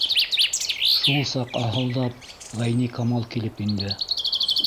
Шул саҡ, аһылдап, Ғәйникамал килеп инде.